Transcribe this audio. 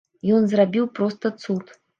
Ён зрабіў проста цуд.